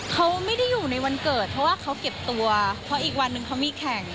เขาไม่ได้อยู่ในวันเกิดเพราะว่าเขาเก็บตัวเพราะอีกวันนึงเขามีแข่ง